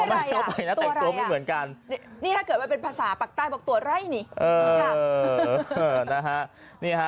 อันนี้อะไรอ่ะตัวอะไรอ่ะ